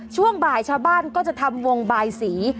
ช่วงบ่ายชาวบ้านก็จะทำวงบายสี